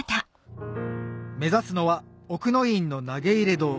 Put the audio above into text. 目指すのは奥の院の投入堂